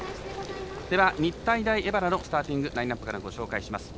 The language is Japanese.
では、日体大荏原のスターティングラインアップからご紹介します。